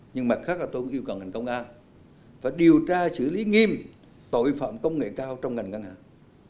nhưng mặt khác là tôi yêu cầu ngành công an phải điều tra xử lý nghiêm tội phạm công nghệ cao trong ngành ngân hàng